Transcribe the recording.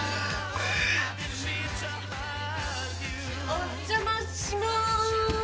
・お邪魔しまーす。